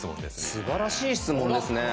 すばらしい質問ですね。